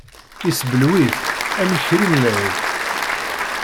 Iseblew-it, am ikerri n lɛid.